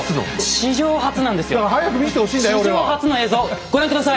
史上初の映像ご覧下さい！